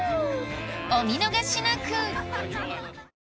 お見逃しなく！